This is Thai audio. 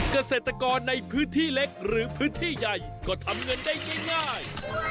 เกษตรกรในพื้นที่เล็กหรือพื้นที่ใหญ่ก็ทำเงินได้ง่าย